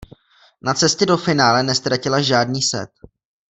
Na cestě do finále neztratila žádný set.